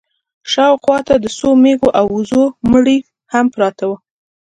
شا و خوا ته د څو مېږو او وزو مړي هم پراته وو.